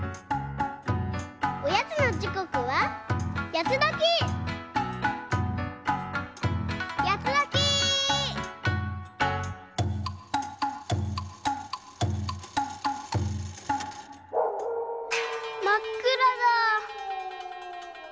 おやつのじこくはまっくらだ。